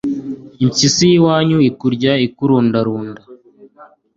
Impyisi y’iwanyu ikurya ikurundarunda